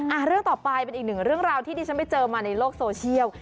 เรื่องต่อไปเป็นอีกหนึ่งเรื่องราวที่ดิฉันไปเจอมาในโลกโซเชียล